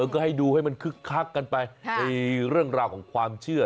ก็ให้ดูให้มันคึกคักกันไปในเรื่องราวของความเชื่อ